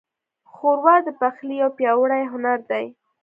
ښوروا د پخلي یو پیاوړی هنر دی.